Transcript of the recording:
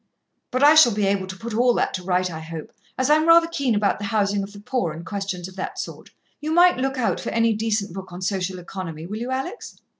"But I shall be able to put all that right, I hope, as I'm rather keen about the housing of the poor, and questions of that sort. You might look out for any decent book on social economy, will you, Alex?"